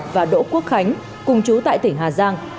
và đỗ quốc khánh cùng chú tại tỉnh hà giang